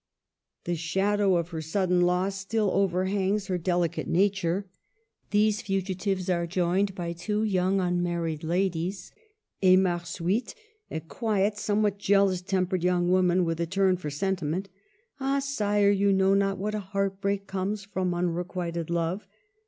The shadow of her sudden loss still overhangs her delicate nature. These fugitives are joined by two young unmarried ladies, Emarsuitte, a quiet, somewhat jealous tempered young woman, with a turn for sentiment (''Ah, Sire, you know not what a heartbreak comes from unrequited Jove!